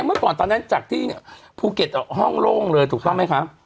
เมื่อก่อนตอนนั้นจากที่ภูเก็ตห้องโล่งเลยถูกต้องไหมคะ